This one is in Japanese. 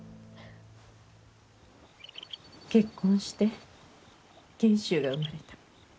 結婚して賢秀が生まれた。